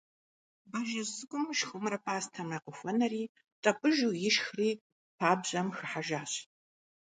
Бажэжь цӀыкӀум шхумрэ пӀастэмрэ къыхуэнэри тӀэпӀыжу ишхри пабжьэм хыхьэжащ.